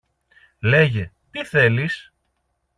Λέγε, τι θέλεις;